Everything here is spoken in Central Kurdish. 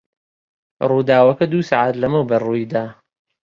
ڕووداوەکە دوو سەعات لەمەوبەر ڕووی دا.